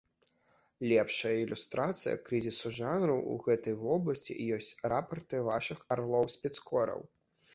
Лепшая ілюстрацыяй крызісу жанру ў гэтай вобласці, ёсць рапарты вашых арлоў-спецкораў.